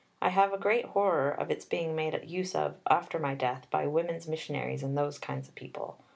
And I have a great horror of its being made use of after my death by Women's Missionaries and those kinds of people.